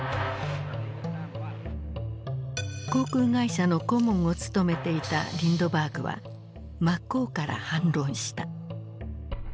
航空会社の顧問を務めていたリンドバーグは真っ向から反論した。